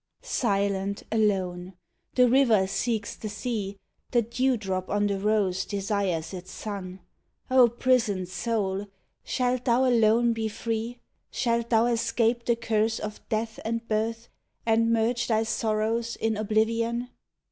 70 Silent, alone ! The river seeks the sea, The dew drop on the rose desires its sun ! Oh, prisoned Soul, shall thou alone be free ? Shalt thou escape the curse of death and birth And merge thy sorrows in oblivion